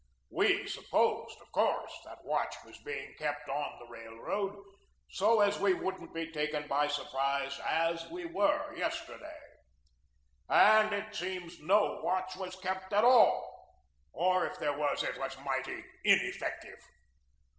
We supposed, of course, that watch was being kept on the Railroad so as we wouldn't be taken by surprise as we were yesterday. And it seems no watch was kept at all, or if there was, it was mighty ineffective.